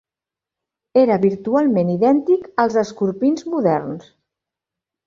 Era virtualment idèntic als escorpins moderns.